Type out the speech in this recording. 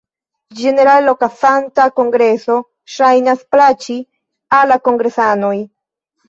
Ĝenerale la okazanta kongreso ŝajnas plaĉi al la kongresanoj.